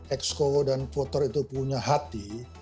exco dan voter itu punya hati